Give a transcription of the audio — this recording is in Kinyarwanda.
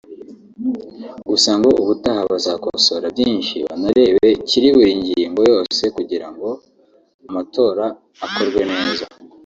Gusa ngo ubutaha bazakosora byinshi banarebe kiri buri ngingo yose kugira ngo amatora akorwe neza